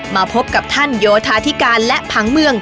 มาพบกับท่านโยธาธิการและผังเมือง